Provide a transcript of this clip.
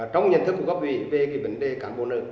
trong nhân thức của các vị về cái vấn đề cán bộ nữ